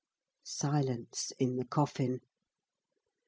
Silence in the coffin.